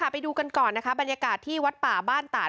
ไปดูกันก่อนนะคะบรรยากาศที่วัดป่าบ้านตาด